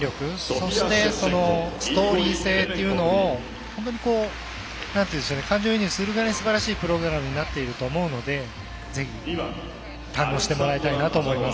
そして、ストーリー性というのを本当に感情移入するぐらいすばらしいプログラムになっていると思うのでぜひ堪能してもらいたいなと思います。